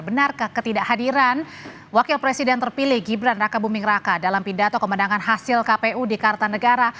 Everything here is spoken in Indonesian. benarkah ketidakhadiran wakil presiden terpilih gibran raka buming raka dalam pidato kemenangan hasil kpu di kartanegara